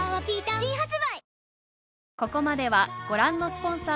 新発売